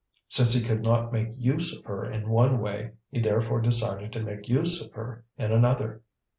Since he could not make use of her in one way, he therefore decided to make use of her in another.